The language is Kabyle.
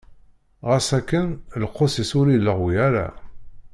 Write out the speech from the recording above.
Ɣas akken, lqus-is ur illeɣwi ara.